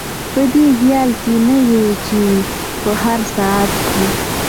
په دې خیال کې نه یو چې په هر ساعت کې.